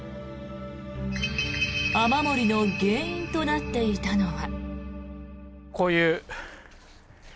雨漏りの原因となっていたのは。